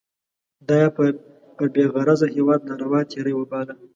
دا یې پر بې غرضه هیواد ناروا تېری باله.